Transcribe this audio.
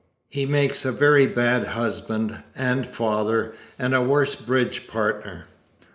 He makes a very bad husband and father and a worse bridge partner.